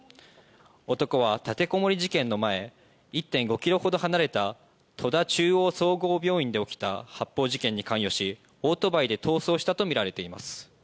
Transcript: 男は立てこもり事件の前１．５ｋｍほど離れた戸田中央総合病院で起きた発砲事件に関与しオートバイで逃走したとみられています。